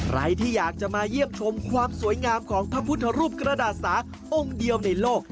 ใครที่อยากจะมาเยี่ยมชมความสวยงามของพระพุทธรูปกระดาษสาองค์เดียวในโลก